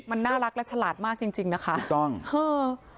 มันน่ารักและฉลาดมากจริงจริงนะคะถูกต้องเออ